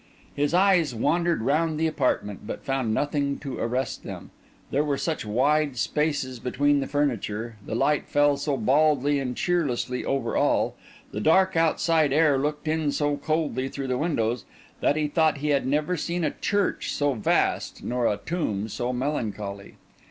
His eyes wandered round the apartment, but found nothing to arrest them. There were such wide spaces between the furniture, the light fell so baldly and cheerlessly over all, the dark outside air looked in so coldly through the windows, that he thought he had never seen a church so vast, nor a tomb so melancholy.